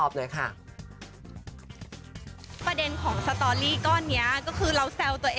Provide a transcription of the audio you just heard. ฉันตายแล้ว